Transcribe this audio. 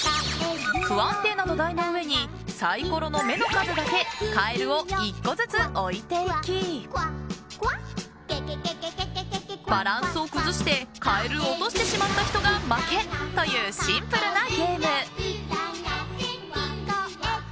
不安定な土台の上にサイコロの目の数だけカエルを１個ずつ置いていきバランスを崩してカエルを落としてしまった人が負けというシンプルなゲーム。